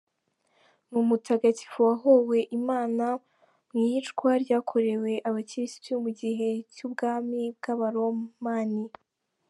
Ni umutagatifu wahowe Imana mu iyicwa ryakorewe abakirisitu mu gihe cy’ubwami bw’Abaromani.